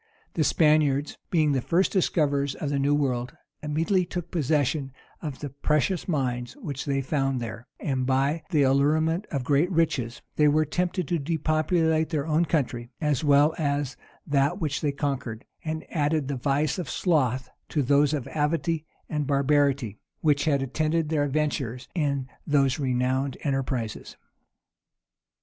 The Spaniards, being the first discoverers of the new world, immediately took possession of the precious mines which they found there; and, by the allurement of great riches, they were tempted to depopulate their own country, as well as that which they conquered; and added the vice of sloth to those of avidity and barbarity, which had attended their adventurers in those renowned enterprises.